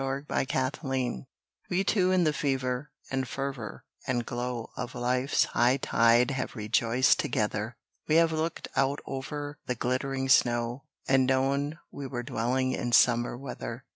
TOGETHER We two in the fever, and fervour, and glow Of life's high tide have rejoiced together. We have looked out over the glittering snow, And known we were dwelling in summer weather.